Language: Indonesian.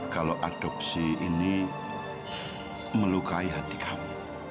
kalau adopsi ini melukai hati kami